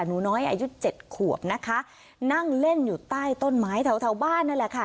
หนูน้อยอายุเจ็ดขวบนะคะนั่งเล่นอยู่ใต้ต้นไม้แถวแถวบ้านนั่นแหละค่ะ